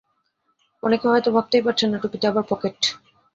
অনেকে হয়তো ভাবতেই পারছেন না, টুপিতে আবার পকেট।